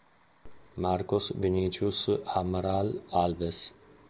Marcos Vinicius Amaral Alves